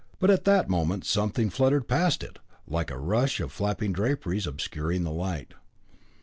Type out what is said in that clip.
But at that moment something fluttered past it, like a rush of flapping draperies obscuring the light.